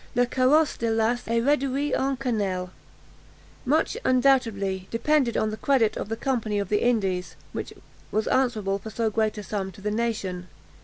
Le carrosse de Lass est reduit en cannelle!_" Much, undoubtedly, depended on the credit of the Company of the Indies, which was answerable for so great a sum to the nation.